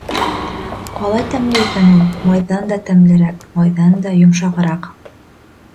Ҡалай тәмле икән ул, майҙан да тәмлерәк, майҙан да йом-шағыраҡ.